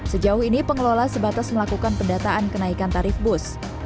sejauh ini pengelola sebatas melakukan pendataan kenaikan tarif bus